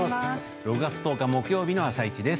６月１０日木曜日の「あさイチ」です。